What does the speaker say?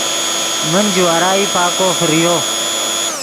من جوارائی پاکو فریو